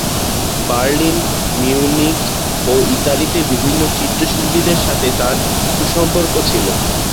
Berlin, Munich ও ইতালিতে বিভিন্ন চিত্রশিল্পীদের সাথে তার সুসম্পর্ক ছিল।